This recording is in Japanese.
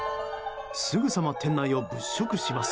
すぐさま店内を物色します。